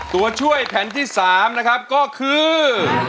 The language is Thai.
ตัวช่วยแผ่นที่๓นะครับก็คือ